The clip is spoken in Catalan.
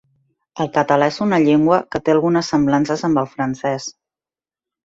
El català és una llengua que té algunes semblances amb el francès.